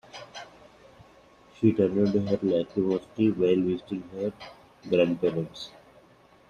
She turned into her lachrymosity while visiting her grandparents.